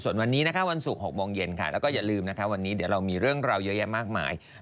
ส่วนวันนี้นะคะวันศุกร์๖โมงเย็นค่ะแล้วก็อย่าลืมนะคะวันนี้เดี๋ยวเรามีเรื่องราวเยอะแยะมากมาย